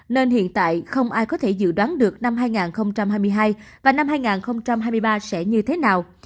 nên hiện tại không ai có thể dự đoán được năm hai nghìn hai mươi hai và năm hai nghìn hai mươi ba sẽ như thế nào